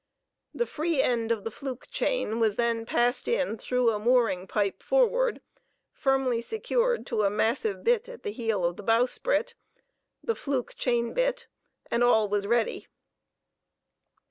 The free end of the fluke chain was then passed in through a mooring pipe forward, firmly secured to a massive bitt at the heel of the bowsprit (the fluke chain bitt), and all was ready.